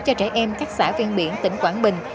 cho trẻ em các xã ven biển tỉnh quảng bình